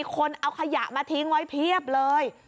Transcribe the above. คนเอาขยะมาทิ้งไว้เพียบเลย